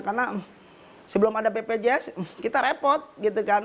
karena sebelum ada ppjs kita repot gitu kan